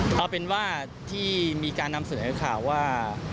ต้องเป็นที่มีการนำสื่อให้ราคาว่า